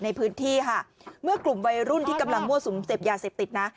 ในพื้นที่ค่ะเมื่อกลุ่มวัยรุ่นที่กำลังมั่วสุมเสพยาเสพติดนะ